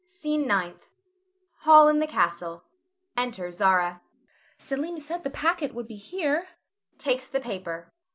SCENE NINTH. [Hall in the castle. Enter Zara.] Zara. Selim said the packet would be here [takes the paper].